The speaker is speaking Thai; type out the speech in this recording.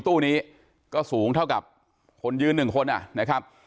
ตู้นี้ก็สูงเท่ากับคนยืนหนึ่งคนนะครับ